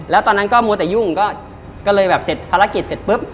แล้วตอนนั้นก็มัวแต่ยุ่งก็เลยแบบเสร็จภารกิจเสร็จปุ๊บ